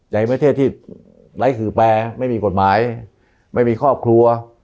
ใจเมื่อเทศที่ไร้กิจการแพรงไม่มีกฎหมายไม่มีครอบครัว